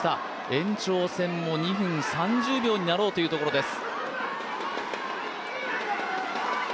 延長戦も２分３０秒になろうというところです。